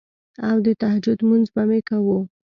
او د تهجد مونځ به مې کوو